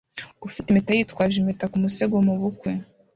Ufite impeta yitwaje impeta ku musego mu bukwe